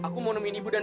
kusar kerja lagi